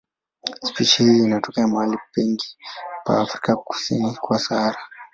Spishi hii inatokea mahali pengi pa Afrika kusini kwa Sahara.